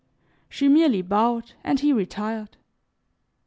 She merely bowed, and he retired.